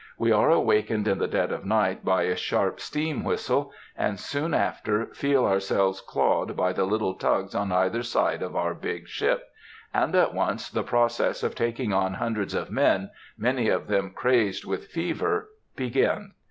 We are awakened in the dead of night by a sharp steam whistle, and soon after feel ourselves clawed by the little tugs on either side our big ship,—and at once the process of taking on hundreds of men, many of them crazed with fever, begins.